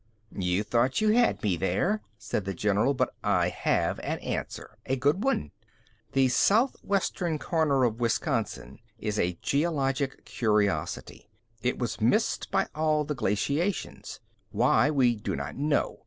"You thought you had me there," said the general, "but I have an answer. A good one. The southwestern corner of Wisconsin is a geologic curiosity. It was missed by all the glaciations. Why, we do not know.